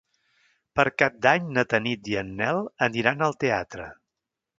Per Cap d'Any na Tanit i en Nel aniran al teatre.